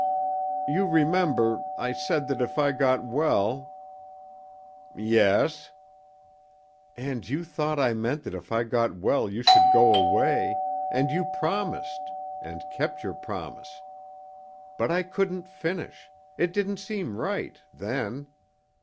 "You remember I said that if I got well " "Yes " "And you thought I meant that if I got well you should go away and you promised and kept your promise. But I couldn't finish. It didn't seem right then.